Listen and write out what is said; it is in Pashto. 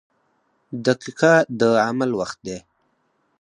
• دقیقه د عمل وخت دی.